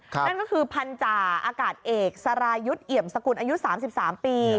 นั่นก็คือพันธาอากาศเอกสรายุทธ์เอี่ยมสกุลอายุ๓๓ปี